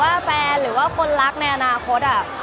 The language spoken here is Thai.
มันเป็นเรื่องน่ารักที่เวลาเจอกันเราต้องแซวอะไรอย่างเงี้ย